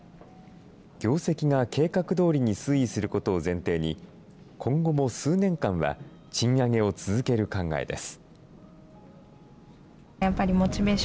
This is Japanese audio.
業績が計画どおりに推移することを前提に、今後も数年間は賃上げを続ける考えです。